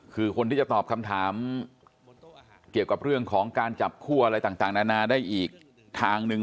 คือคนที่จะตอบคำถามเกี่ยวกับเรื่องของการจับคั่วอะไรต่างนานาได้อีกทางหนึ่ง